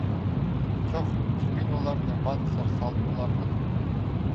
Чох, че мин оларны банксар сал поларбын.